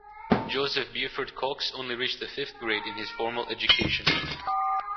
Joseph Buford Cox only reached the fifth grade in his formal education.